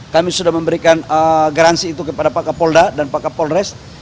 kami sudah memberikan garansi itu kepada pak kapolda dan pak kapolres